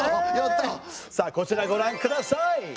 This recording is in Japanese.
さあこちらご覧ください。